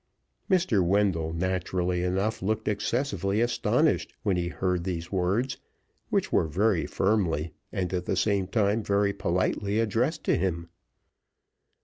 Mr. Wendell naturally enough looked excessively astonished when he heard these words, which were very firmly and, at the same time, very politely addressed to him.